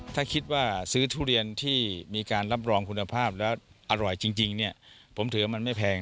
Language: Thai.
ถ้าคิดว่าซื้อทุเรียนที่มีการรับรองคุณภาพแล้วอร่อยจริงเนี่ยผมถือว่ามันไม่แพง